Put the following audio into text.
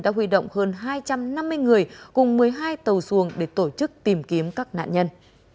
đã huy động hơn hai trăm năm mươi người cùng một mươi hai tàu xuồng để tổ chức tìm kiếm các nạn nhân